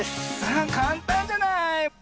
あかんたんじゃない。